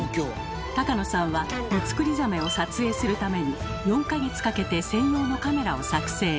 高野さんはミツクリザメを撮影するために４か月かけて専用のカメラを作製。